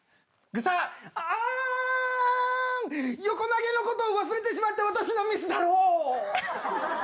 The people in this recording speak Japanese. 横投げのことを忘れてしまった私のミスだろう。